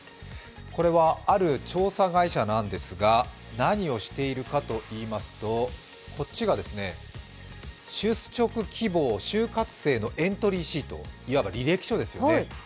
これはある調査会社なんですが、何をしているかといいますと、こっちが就活生のエントリーシート、言わば履歴書ですね。